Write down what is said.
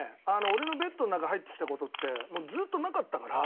俺のベッドの中入ってきた事ってもうずっとなかったから。